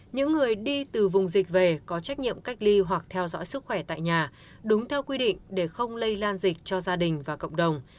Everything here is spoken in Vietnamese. những người đi từ vùng dịch về có trách nhiệm cách ly hoặc theo dõi sức khỏe tại nhà đúng theo quy định để không lây lan dịch cho gia đình và cộng đồng